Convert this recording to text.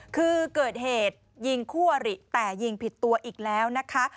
คือเกิดเหตุยิงคู่อริแต่ยิงผิดตัวอีกแล้วนะคะ